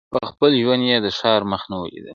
په خپل ژوند یې د ښار مخ نه وو لیدلی -